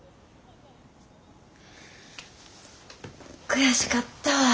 悔しかったわ。